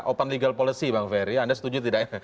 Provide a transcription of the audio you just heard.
open legal policy bang ferry anda setuju tidak ya